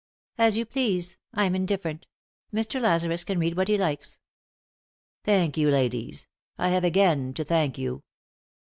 " As you please ; I'm indifferent. Mr. Lazarus can read what he likes." "Thank you, ladies; I have again to thank you."